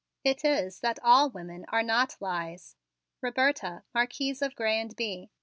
It is that all women are not lies. Roberta, Marquise of Grez and Bye."